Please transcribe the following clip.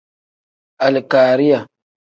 Alikariya.